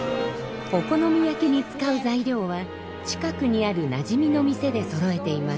お好み焼きに使う材料は近くにあるなじみの店でそろえています。